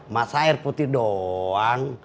masa air putih doang